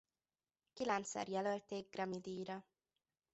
Kilencszer jelölték Grammy-díjra.